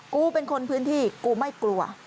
กูเป็นคนพื้นที่กูไม่กลัว